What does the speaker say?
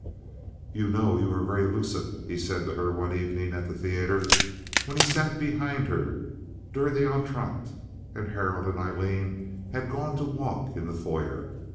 "You know you are very elusive," he said to her one evening at the theater when he sat behind her during the entr'acte, and Harold and Aileen had gone to walk in the foyer.